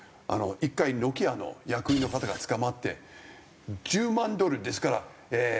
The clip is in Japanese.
１回ノキアの役員の方が捕まって１０万ドルですからええー